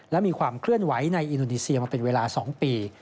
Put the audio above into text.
และมีความเคลื่อนไหวในอินโดนีเซียมาเป็นเวลา๒ปี